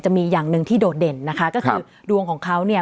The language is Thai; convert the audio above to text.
อย่างหนึ่งที่โดดเด่นนะคะก็คือดวงของเขาเนี่ย